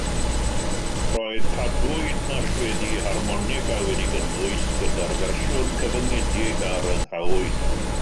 Roedd cadwyn allweddi harmonica wedi'i gynnwys gyda'r fersiwn cyfyngedig a ryddhawyd.